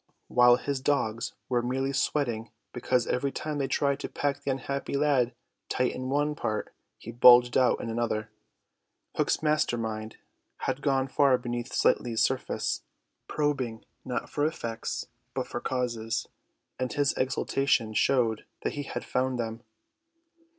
While his dogs were merely sweating because every time they tried to pack the unhappy lad tight in one part he bulged out in another, Hook's master mind had gone far beneath Slightly's surface, probing not for effects but for causes; and his exultation showed that he had found them.